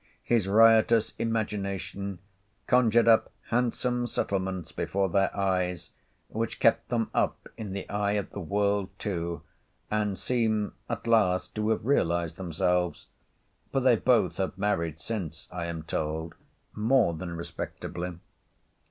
His riotous imagination conjured up handsome settlements before their eyes, which kept them up in the eye of the world too, and seem at last to have realised themselves; for they both have married since, I am told, more than respectably.